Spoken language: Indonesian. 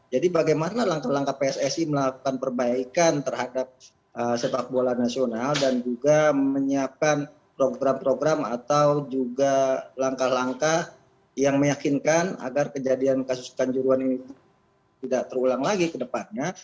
jadi bagaimana langkah langkah pssi melakukan perbaikan terhadap sepak bola nasional dan juga menyiapkan program program atau juga langkah langkah yang meyakinkan agar kejadian kasus kanjuruan ini tidak terulang lagi ke depannya